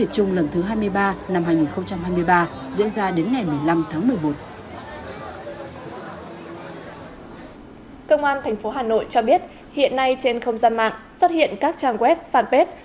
công an tp hà nội cho biết hiện nay trên không gian mạng xuất hiện các trang web fanpage